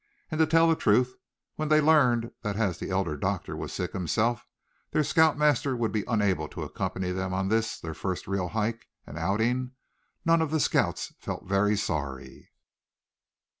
And to tell the truth when they learned that as the elder doctor was sick himself, their scout master would be unable to accompany them on this, their first real hike and outing, none of the scouts felt very sorry.